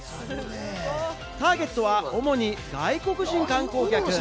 ターゲットは主に外国人観光客。